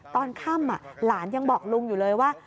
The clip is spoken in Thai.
ตอนค่ำหลานยังบอกลุงอยู่เลยว่า